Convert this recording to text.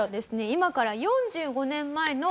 今から４５年前の。